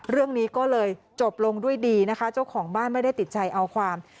เรื่องนี้ก็เลยจบลงด้วยดีนะคะเจ้าของบ้านไม่ได้ติดใจเอาความ